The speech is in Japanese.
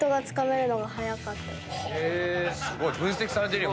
すごい。分析されてるよ。